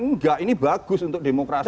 enggak ini bagus untuk demokrasi